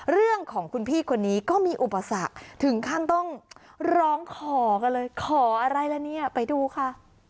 เรื่องของคุณพี่คนนี้ก็มีอุปสรรคถึงขั้นต้องร้องขอกันเลยขออะไรละเนี่ยไปดูค่ะ